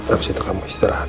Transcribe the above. abis itu kamu istirahat